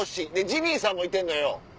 ジミーさんもいてんのよ。